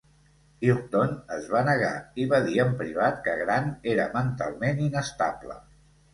Houghton es va negar i va dir en privat que Grant era mentalment inestable.